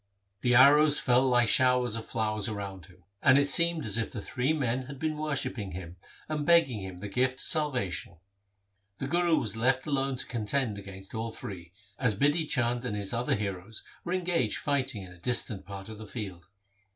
The arrows fell like 12 n6 THE SIKH RELIGION showers of flowers around him, and it seemed as if the three men had been worshipping him and begging of him the gift of salvation. The Guru was left alone to contend against all three, as Bidhi Chand and his other heroes were engaged fighting in a distant part of the field.